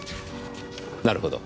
なるほど。